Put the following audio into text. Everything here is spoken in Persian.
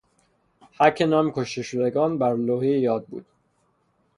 حک نام کشته شدگان بر لوحهی یادبود